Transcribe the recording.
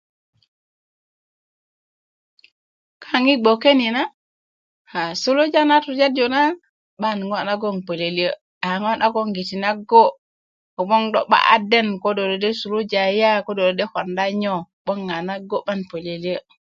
kaŋ yi gboke ni na a suluja na tujarju na 'ban ŋo nagon poliöliö a ŋo nagogiti a nago kogwon do 'ba a den ko do kodo suluja ya kode do de koda nyo 'boŋ a na nago 'ban pöliöliö